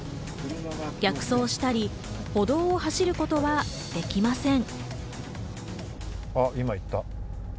逆走したり、歩道を走ることはできません。